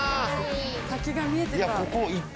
先が見えてた。